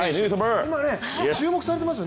今、注目されてますよね。